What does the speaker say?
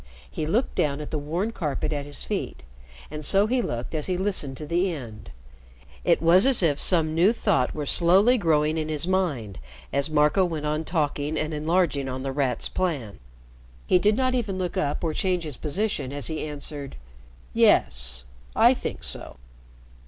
He looked down at the worn carpet at his feet, and so he looked as he listened to the end. It was as if some new thought were slowly growing in his mind as Marco went on talking and enlarging on The Rat's plan. He did not even look up or change his position as he answered, "Yes. I think so."